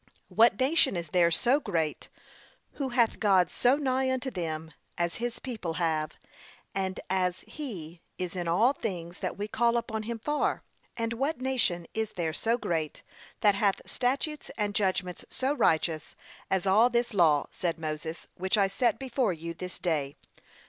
'what nation is there so great, who hath God so nigh unto them' as his people have, and as he 'is in all things that we call upon him for? And what nation is there so great, that hath statutes and judgments so righteous, as all this law,' said Moses, which I set before you this day?'